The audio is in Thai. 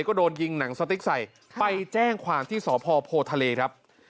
ก็โดนยิงหนังสติ๊กใส่ไปแจ้งความที่สพโพทะเลครับ